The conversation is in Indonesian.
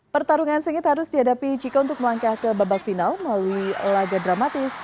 pertarungan sengit harus dihadapi chico untuk melangkah ke babak final melalui laga dramatis